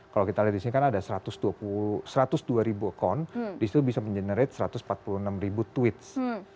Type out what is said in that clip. kalau kita lihat di sini kan ada satu ratus dua ribu akun di situ bisa mengenerate satu ratus empat puluh enam ribu tweets